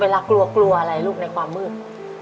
กลัวกลัวอะไรลูกในความมืด